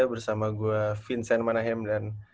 bersama gue vincent manahim dan